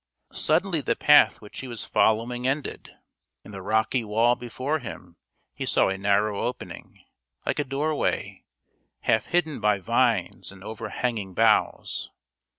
Suddenly the path which he was following ended. In the rocky wall before him he saw a narrow opening, like a doorway, half hidden by vines and overhanging boughs.